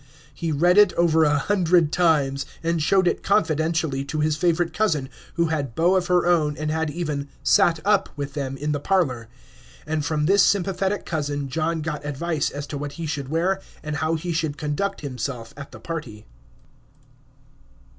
He read it over a hundred times, and showed it confidentially to his favorite cousin, who had beaux of her own and had even "sat up" with them in the parlor. And from this sympathetic cousin John got advice as to what he should wear and how he should conduct himself at the party.